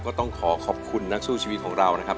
ก็ต้องขอขอบคุณนักสู้ชีวิตของเรานะครับ